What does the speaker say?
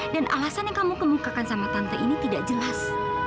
dan alasan yang kamu kemukakan sama tante ini tidak jelas